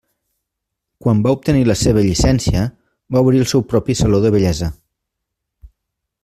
Quan va obtenir la seva llicència, va obrir el seu propi saló de bellesa.